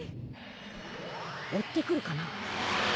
追ってくるかな。